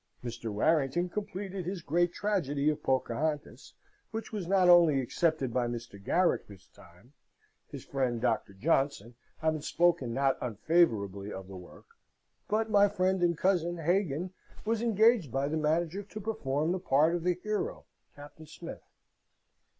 Mr. Warrington completed his great tragedy of Pocahontas, which was not only accepted by Mr. Garrick this time (his friend Dr. Johnson having spoken not unfavourably of the work), but my friend and cousin, Hagan, was engaged by the manager to perform the part of the hero, Captain Smith.